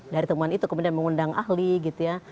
dari temuan itu kemudian mengundang ahli gitu ya